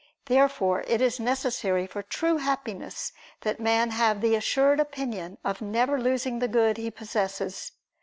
Therefore it is necessary for true Happiness that man have the assured opinion of never losing the good that he possesses.